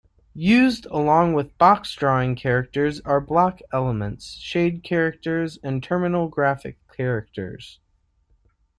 Used along with box-drawing characters are block elements, shade characters, and terminal graphic characters.